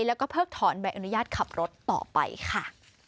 แล้วก็เพิกถอนใบอนุญาตขับรถต่อไปค่ะ